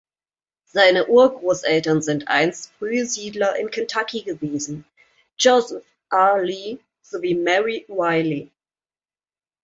Seine Urgroßeltern sind einst frühe Siedler in Kentucky gewesen, Joseph R. Lee sowie Mary Wiley.